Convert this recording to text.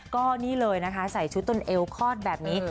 ก็นี่เลยนะคะใส่ชุดจนเอวคลอดแบบนี้